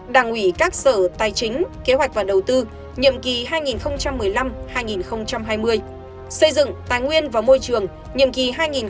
đảng ủy các sở tài chính kế hoạch và đầu tư nhiệm kỳ hai nghìn một mươi năm hai nghìn hai mươi xây dựng tài nguyên và môi trường nhiệm kỳ hai nghìn hai mươi hai nghìn hai mươi